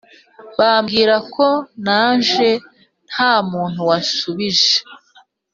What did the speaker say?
'babwire ko naje, nta muntu wasubije,